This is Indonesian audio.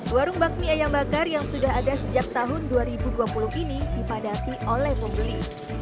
warung bakmi ayam bakar yang sudah ada sejak tahun dua ribu dua puluh ini dipadati oleh pembeli